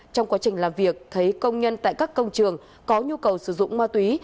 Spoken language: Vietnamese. trong quá trình làm việc thấy công nhân tại các công trường có nhu cầu sử dụng ma túy